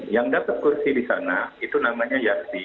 yang dapat kursi di sana itu namanya yasti